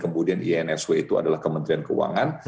kemudian insw itu adalah kementerian keuangan